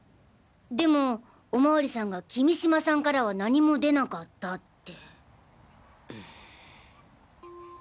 でもお巡りさんが君島さんからは何も出なかったって。